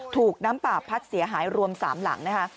ถูกน้ำป่าพัดเสียหายรวม๓หลังนะคะ